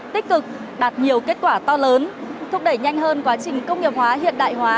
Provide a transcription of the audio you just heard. tích cực đạt nhiều kết quả to lớn thúc đẩy nhanh hơn quá trình công nghiệp hóa hiện đại hóa